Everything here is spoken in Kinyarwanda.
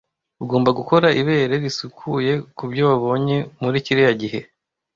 Ugomba gukora ibere risukuye kubyo wabonye muri kiriya gihe.